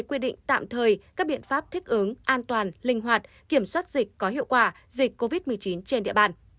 quy định tạm thời các biện pháp thích ứng an toàn linh hoạt kiểm soát dịch có hiệu quả dịch covid một mươi chín trên địa bàn